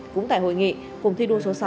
cũng tại hội nghị cùng thi đua số sáu